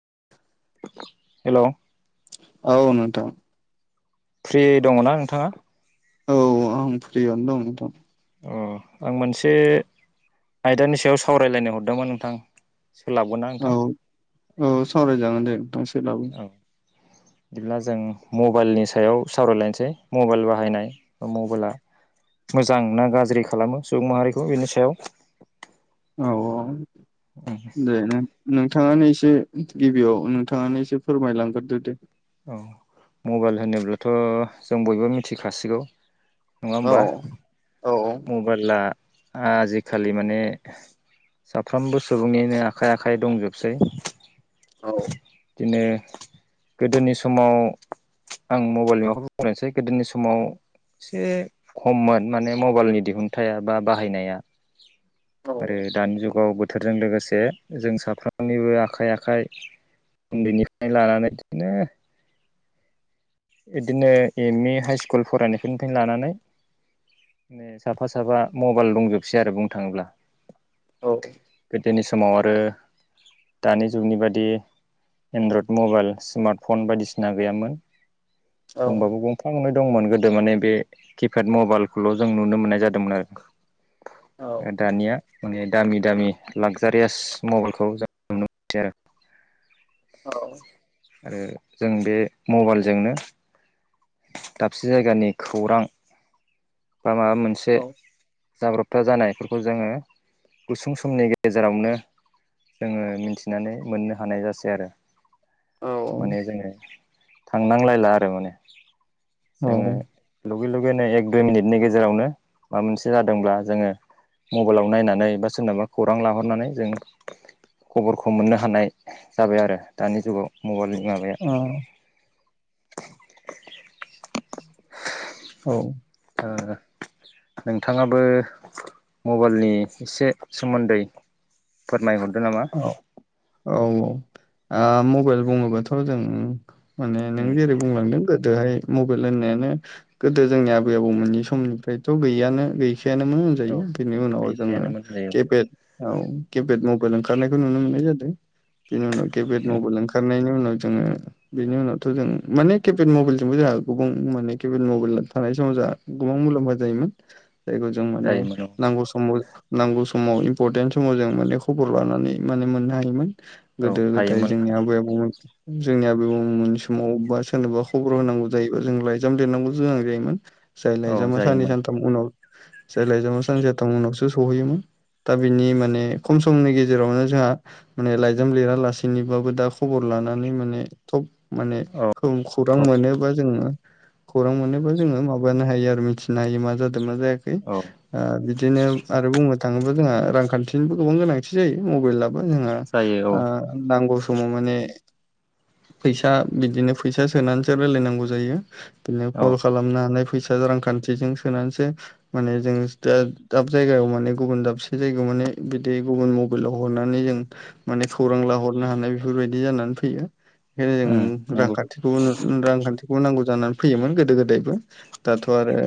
[inaudible] Hello. औ नोंथां। Free दङना नोंथांङा। औ आं फ्रियनो दं नोंथां। अह आं मोनसे आयदानि सायाव सावरायलायनो हरदोंमोन नोंथां। सोलाबगोन ना नोंथां औ औ सावरायजागोनदे नोंथां दसेब्लाबो। [inaudible] बिदिब्लाजों मबाइलनि सायाव सावरायलायनोसै मबाइल बाहायनाय बा मबाइलआ। मोजां ना गाज्रि खालामो सुबुंमाहारिखौ बेनि सायाव। औ औ दे नों-नोंथाङानो इसे। से गिबियाव नोंथाङानो एसे फोरमायलांग्रोदो दे। औ मबाइल होनोब्लाथ' जों बयबो मिथिखासिगौ। औ नङाहोमबा औ मबाइला आजिखालि माने। साफ्रामबो सुबुंनिनो आखाइ-आखाइ दंजोबसै औ बिदिनो। गोदोनि समाव आं मबाइलनि माबाखौ बुंनोसै गोदोनि समाव। एसे खममोन माने मबाइलनि दिहुनथाइया बा बाहायनाया। औ आरो दानि जुगाव बोद। थोरजों लोगोसे जों साफ्रोमनिबो आखाइ-आखाइ उन्दैनिफाय लानानै। [unintelligible] इदिनो एम-इ, हाइस्कुल फरायनाय फोरनिफायनो लानानै। ने साफा-साफा मबाइल दंजोबसै आरो बुंनो थाङोब्ला। औ-औ। मआव आरो। दानि जुगनि बादि एन्ड्रयड मबाइल स्मार्टफन बायदिसिना गैयामोन। औ दंबाबो गंफा-गनै। दंमोन गोदो माने बे किपेड मबाइलखोल' जों नुनो मोननाय जादोंमोन आरो। औ ओ दानिया माने दामि-दामि लागजारियास मबाइलखौ जों। [inaudible] आरो जों बे मबाइल जोंनो। दाबसे जायगानि खौरां। बा माबा मोनसे। औ जाब्रबथा जानायफोरखो जोङो गुसुं समनि गेजेरावनो। जोङो मिनथिनानै मोननो हानाय जासै आरो। माने जोङो थांनांलायला आरो माने। औ जोङो लुगै-लुगैनाय एग। दुय मिनिटनि गेजेरावनो माबा मोनसे जादोंब्ला जोङो। मबाइलाव नायनानै बा सोरनोबा खौरां लाहरनानै जों। खबरखौ मोननो हानाय जाबाय आरो दानि जुगाव मबाइलनि। माबाया। औ। ओ नोंथाङाबो मबाइलनि इसे। सोमोन्दै फोरमाइहरदो नामा। औ औ आ मबाइल बुङोबाथ' जों माने नों उम जेरै बुंलांदों गोद। दोहाय मबाइल होननायानो गोदो जोंनि आबै-आबौमोननि समनिफ्रायथ' गैयानो-गै। गैखायामोन औ होनजायो बिनि उनाव जोङो गैखायानोमोन जायो केपेद औ केपेद मब। ओंखारनायखौ नुनो मोननाय जादों बेनि उनाव केपेद मबाइल ओंखारनायनि उनाव। जोङो बिनि उनावथ' जों माने केपेत मबाइलजोंबो जाहा गुबुं माने केपेत मबाइल थानाय समाव। जाहा गोबां मुलाम्फा जायोमोन। जायखौजों माने जायोमोन औ नांगौ समाव नांगौ समाव इमपरतेन समाव जों माने खब। खबर लानानै माने मोननो हायोमोन औ गोदो-गोदाय हायोमोन जोंनि आबै-आबौमोन। जोंनि आबै-आबौमोननि समाव बा सोरनोबा खबर होनांगौ जायोबा जों लाइजाम लिरनांगौ जोनां जायोमोन। जाय औ लााइजामा साननै, जायोमोन सानथाम उनाव जाय लाइजामा सानि साथाम उनावसो। सहैयोमोन दा बिनि माने। खम समनि गेजेरावनो जोंहा माने लाइजाम लिरा लासेनोबाबो दा खबर लानानै माने थब। माने औ खौ-खौरां मोनोबा जोङो। खौरां मोनोबा जोङो माबानो हायो आरो मिथिनो हायो मा जादों। मां जायाखै औ ओ बिदिनो आरो बुंनो थाङोबा जोंहा रांखान्थिनिबो। गोबां गोनांथि जायो मबेलाबो जोंहा जायो औ नांगौ समाव माने फैसा बिदिनो फैसा सोनानैसो रायलायनांगौ जायो। बिदिनो औ कल खालामनो हानाय फैसा रांखान्थिजों सोनानैसो माने जों दा दाब जायगायाव माने गुबुन दाबसे जायगायाव माने बिदि गुबुन मबाइलाव हरनानै जों माने खौरां लाहरनो हानाय बेफोरबायदि जानानै फैयो। बेखायनो उम जों नंगौ रांखान्थिखौ रांखान्थिखौ नांगौ जानानै फैयोमोन गोदो गोदायबो। दाथ' आरो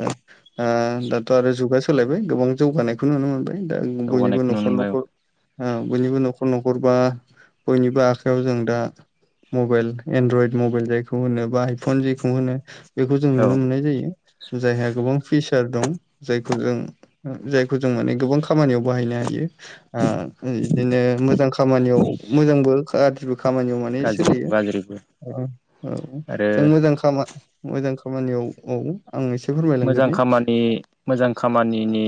दाथ' आरो जुगा सोलायबाय गोबां जौगानायखौ नुनो मोनबाय दा बयनिबो जौगानायखौ नुनो न'खर मोनबाय औ न'खर। बयनिबो न'खर न'खरबा बयनिबो आखायाव जों दा मबेल एनड्रयड मबेल जायखौ होनो बा आइफन जेखौ होनो। बेखौ जों औ नुनो मोननाय जायो जायहा गोबां फिस दं जायखौ जों जायखौ जों माने गोबां खामानियाव बाहायनो हायो। बिदिनो मोजां खामानियाव मोजांबो गाज्रिबो खामानियाव माने गाज्रि सोलियो। गाज्रिबो औ आरो जों मोजां खामा मोजां खामानियाव औ। आं एसे मोजां फोरमायलांग्रोनि खामानि मोजां खामानिनि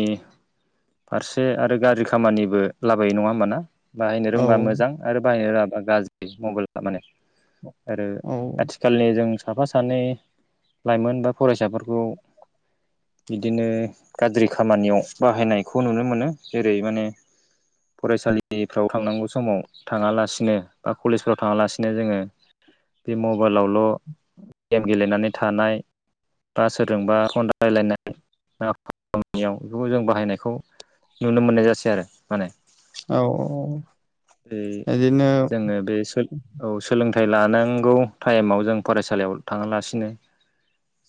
फारसे आरो गाज्रि खामानिबो लाबोयो नङा होमबाना बाहायनो औ रोंबा मोजां आरो बाहायनो औ रो [unintelligible] साफा सानै लाइमोन बा फरायसाफोरखौ बिदिनो गाज्रि खामानियाव बाहायनायखौ नुनो मोनो जेरै माने फरायसालिफ्राव थांनांगौ समाव थाङालासिनो बा कलेजफ्राव थाङालासिनो जोङो- बे मबाइलावल' गेम गेलेनानै थानाय बा सोरजोंबा [unintelligible] नुनो मोननाय जासै आरो माने। औ औ उम बिदिनो जोङो बे सो औ सोलोंथा थाइ लानांगौ टाइमाव जों फरायसालियाव थाङालासिनो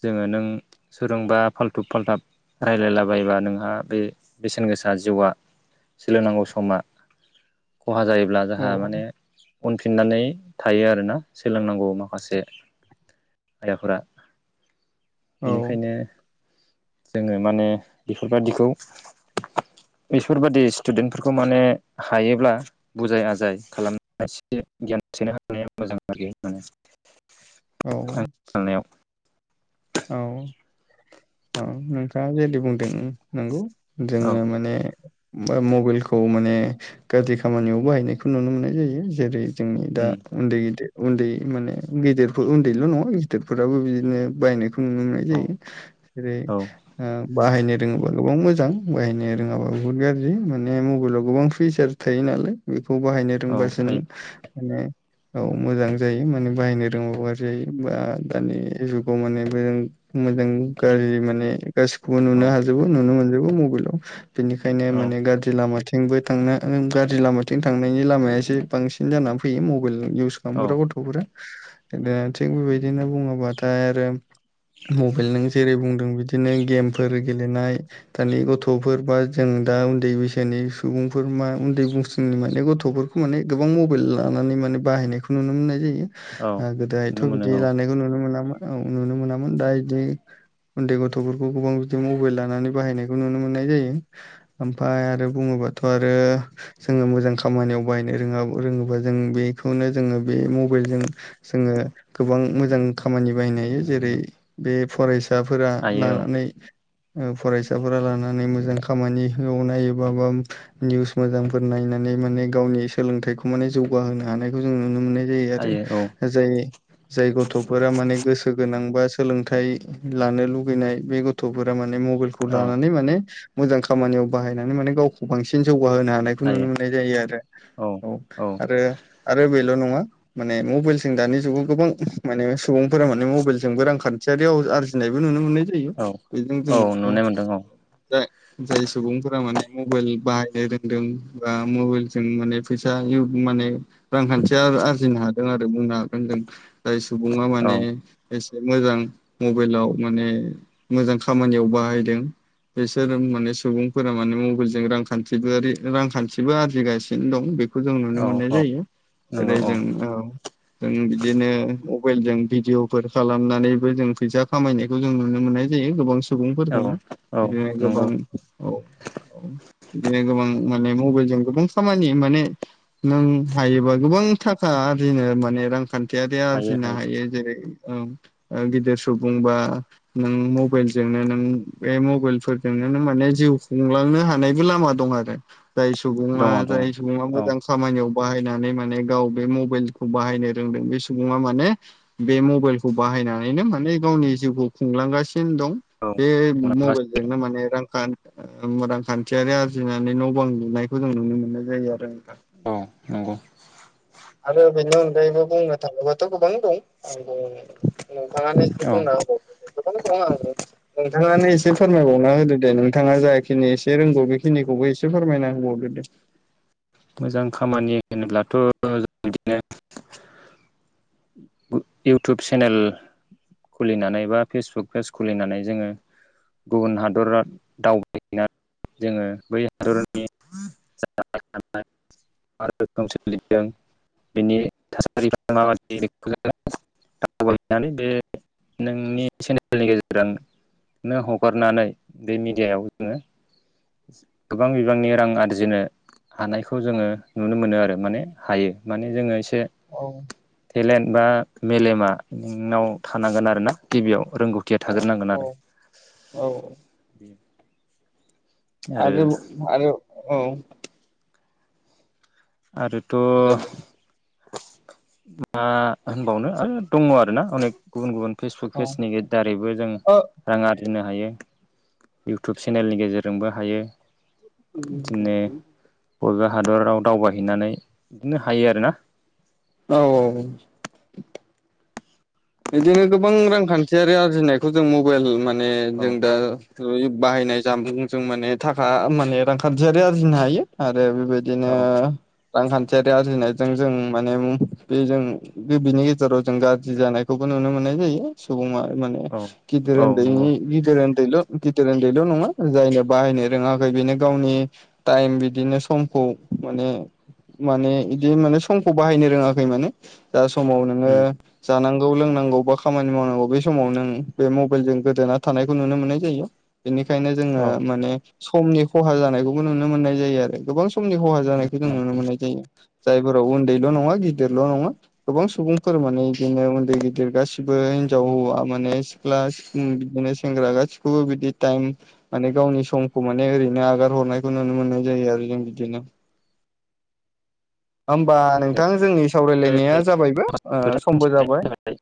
जोङो नों सोरोंबा फाल्थुब फाल्थाब रायलायला बायोबा नोंहा बे बेसेन गोसा जिउआ सोलोंनांगौ समा खहा जायोब्ला जोंहा औ माने उनफिननानै थायो आरो ना सोलोंनांगौ माखासे आइ आफोरा औ बेनिखायनो दोङो माने बेफोरबादिखौ बेफोरबादि स्टुदेन्टफोरखौ माने हायोब्ला बुजाय आजाय खालामसे गियान सोनो हानाया मोजां आरोखि माने। औ। आं साननायाव औ औ नोंथाङा जेदि बुंदों नंगौ। औ जोङो माने मबेलखौ माने गादि खामानियाव बाहायनायखौ नुनो मोननाय जायो जेरै जोंनि दा उम उन्दै गिदेर उन्दै माने गिदिर उन्दैल' नङा गिदिरफोराबो बिदिनो बायनायख नुमोनाय औ जायो जेरै औ ओ बाहायनो रोङोबा गोबां मो जां बाहायनो रोङाबा बुहुत गाज्रि माने मबेलाव गोबां फिचार थायो नालाय। खौ बाहायनो औ रोंबासो नों थायो माने औ मोजां जायो माने बाहायनो रोंङाबा गाज्रि जायो बा दानि जुगाव मानि मोजां गाज्रि माने गासिखौबो औ नुनो हाजोबो नुनो मोनजोबो मबाइलाव। बेनिखायनो औ माने गाज्रि लामाथि। थिंबो थांनो गाज्रि लामाथिं थांनायनि लामाया एसे बांसिन जानानै फैयो मबाइल। इउस औ खालामग्रा गथ'फोरा थिग बेबायदिनो बुङोबाथाय आरो। मबाइल नो जेरै बुंदों बिदि। बिदिनो गेमफोर गेलेनाय दानि गथ'फोर बा जों दा उन्दै बैसोनि सुबुंफोर। मा उन्दै बैसोनि माने गथ'फोरखौ माने गोबां मबाइल लानानै माने बाहायनायखौ नुनो मोननाय जायो। औ ओ गोदोहाथ' नुनो मोनो बिदि औ लानायखौ नुनो मोनामोन औ नुनो मोनामोन दा बिदि। उन्दै गथ'फोरखौ गोबां बिदि मबाइल लानानै बाहायनायखौ नुनो मोननाय जायो ओमफ्राय आरो बुङोब्ला। थ आरो जो मोजां खामानिआव बायनो रोङोबा जों बेखौनो जों बे म। मबाइलजों जोङो गोबां मोजां खामानि बाहायनो हायो जेरै। बे फरायसाफोरा हायो औ लानानै। फरायसाफोरा लानानै मोजां खामानिखौ नायोब बा निउस मोजांफोर नायनानै। माने गावनि सोलोंथाइखौ माने जौगाहोनो हानायखौ जों नुनो मोनो। हायो औ जायोआरो जाय जाय गथ'फोरा माने गोसो गोनांबा। सोलोंथाइ लानो लुुबैनाय बे गथ'फोरा माने मबाइलखौ औ लानानै माने। मोजां खामानियाव बाहायनानै माने गावखौ बांसिन जौ। गा होन हानायखौ हायो नुनो मोननाय जायो आरो औ आरो आरो बेल' नङा। माने मबाइलजों दानि जुगाव गोबां माने सुबुंफोरा माने मबाइबो रां खा खान्थियारियाव आरजिनायबो नुनो मोनो। जायो औ बेजों जों औ माने नुनाय मोनदों जाय सुबुंफोरा माने। मबाइल बाहायनो रोंदों बा मबाइलजों माने फैसा माने। रांखान्थिया आरजिनो हादों आरो बुंनो हागोन होन जों जाय सुबुङा औ माने एसे‌। मोजां मबाइलाव माने मोजां खामानियाव बाहायदों। बिसोर माने सुबुंफोरा माने मबाइलजों रांखान्थिबो रांखान्थिबो आरजिगासिनो दं बे। खौ जों नुनो औ मोननाय औ जायो नंगौ जेरै जों औ जों बिदिनो। मबाइल जों भिडिअफोर खालामनानैबो जों फैसा खामायनायखौ जों नुनो मोननाय जायो गोबां सु। औ सुबुंफोरखौनो औ बिदिनो नंगौ गोबां औ औ बिदिनो गोबां। माने मबाइल जों गोबां खामानि माने नों हायोबा गोबां थाखा आरजिनो माने रांखान्थि। थिआरि आरजिनो हायो जेरै ओं। ओ गिदिर सुबुंबा नों मबाइलजोंनो नों बे मबाइल फोरजोंनो नों माने। जिउ खुंलांनो हानायबो लामा दं आरो जाय सुबङा दङ दङ जाय सुबा औ मोजां खामानियाव। बायनानै माने गाव बे मबाइलखौ बाहायनो रों बे सुबा माने बे मबलखौ। बाहायनानैनो माने गावनि जिउखौ खुंलांगासिनो। दं औ बे मबाइलजोंनो माने रां। रांखान्थियारि आरजिनानै न' बां लुनायखौ जों नुनो मोननाय जायो आरो नोंथां। औ नंगौ। आरो बेनि अनगायैबो बुंनो थाङोबाथ' गोबां दं आं बुं। नोंथाङानो एसे औ बुंना होबावदो बेखौनो बुं आं नोंथाङानो एसे फोरमायबावना होदो। दे नोंथाङा जाखिनि एसे रोंगौ बेखिनिखौबो एसे फोरमायना होबावदो दे। मोजां खामानि होनोब्लाथ' बिदिनो। इउटुब सेनेल खुलिनानै बा फेसबुक पेज खुलिनानै जोङो। गुबुन हादरा दावबायहैनानै जोङो बै हादरनि। [unintelligible] [unintelligible] नोंनि चेनेलनि गेजेरजों। नों हगारनानै बे मेडियायाव जोङो। गोबां बिबांनि रां आरजिनो। हानायखौ जोङो नुनो मोनो आरो माने हायो माने जोङो एसे। औ। टेलेन्ट बा मेलेमा नोंनाव थानांगोन आरोना गिबियाव रोंगौथिया थाग्रनांगोन आरो [inaudible] औ औ। आरो आरो औ। आरोथ' दे दे मा होनबावनो आरो दङ आरोना अनेख गुबुन-गुबुन फेसबुक औ पेजनि दारैबो जों ओ रां आरजिनो हायो, इउटुब चेनेलनि गेजेरजोंबो हायो। बिदिनो बबेबा हादराव दावबायहैनानै बिदिनो हायो आरोना। औ औ। बिदिनो गोबां रांखान्थियारि आरजिनायखौ जों मबाइल माने औ जों दा बाहायनाय जामुनजों जों माने थाखा माने रांखान्थियारि आरजिनो हायो आ आरो बेबायदिनो औ रांखान्थियारि आरजिनायजों जों माने बे जों बेनि गेजेराव जों गाज्रि जानाय बेखौबो नुनो मोननाय जायो सुबुङा माने औ गिदिर औ नंगौ ओन्दैनि गिदिर उन्दैल' गिदिर उन्दैल' नङा जायनो बाहायनो रोङाखै बेनो गावनि टाइम बिदिनो समखौ माने माने इदिनो माने समखौ बाहायनो रोङाखै माने दा समाव नोङो उम जानां गौ लोंनांगौ बा खामानि मावनांगौ बे समाव नों बे मबाइलजों गोदोना थानायखौ नुनो मोननाय जायो। बेनिखायनो जोङो औ माने समनि खहा जानायखौबो नुनो मोननाय जायो आरो गोबां समनि खहा जानायखौ जों नुनो मोननाय जायो। जायफोराव उन्दैल' नङा गिदिरल' नङा गोबां सुबुंफोर माने बिदिनो उन्द गिदिर गासिबो हिनजाव हौवा माने सिख्ला बिदिनो सेंग्रा गासिखौबो बिदि टाइम माने गावनि समखौ माने ओरैनो आगार हरनायखौ नुनो मोननाय जायो आरो जों बिदिनो। होमबा नोंथां जोंनि आरो सावरायलायनाया जाबायबो ओ माखासे खोथा समबो मिथिनायनि जाबाय। थाखाय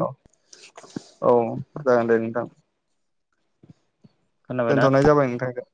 औ औ जागोन दे नोंथां खोनाबायना दोनथ'नाय जाबाय नोंथां।